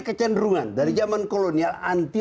kecenderungan dari zaman kolonial anti